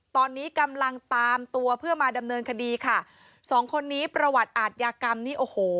ตอนนี้กำลังตามตัวเพื่อมาดำเนินคดีค่ะสองคนนี้ประวัติอาทยากรรมนี่โอ้โห